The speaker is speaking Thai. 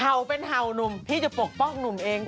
เป็นเห่าหนุ่มพี่จะปกป้องหนุ่มเอง